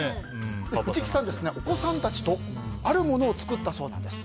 藤木さん、お子さんたちとあるものを作ったそうです。